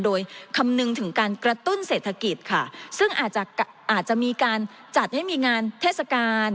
โดยคำนึงถึงการกระตุ้นเศรษฐกิจค่ะซึ่งอาจจะอาจจะมีการจัดให้มีงานเทศกาล